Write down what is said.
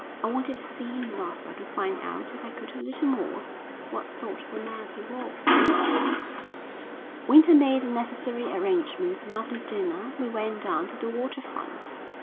I wanted to see him rather to find out if I could a little more what sort of man he was. Winter made the necessary arrangements and after dinner we went down to the water front.